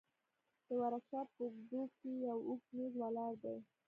د ورکشاپ په اوږدو کښې يو اوږد مېز ولاړ دى.